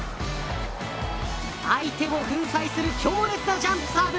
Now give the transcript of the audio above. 相手を粉砕する強烈なジャンプサーブ